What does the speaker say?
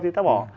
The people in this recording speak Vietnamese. thì ta bỏ